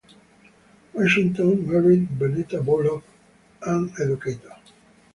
Washington married Bennetta Bullock, an educator.